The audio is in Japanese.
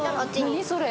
何それ？